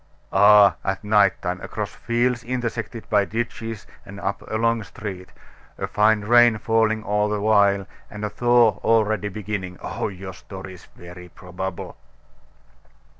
"Ah! at night time across fields intersected by ditches, and up a long street a fine rain falling all the while, and a thaw already beginning! Oh, your story is very probable!"